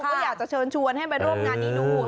ก็อยากจะเชิญชวนให้มาร่วมงานที่นู่น